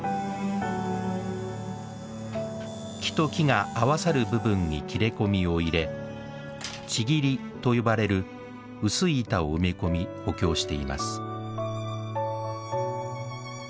木と木が合わさる部分に切れ込みを入れ「千切り」と呼ばれる薄い板を埋め込み補強しています。